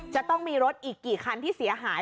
จะต้องมีรถอีกกี่คันที่เสียหาย